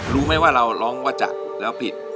รู้ไหมว่าเราร้องว่าจัดแล้วผิด